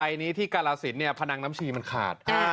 นี้ที่กาลสินเนี่ยพนังน้ำชีมันขาด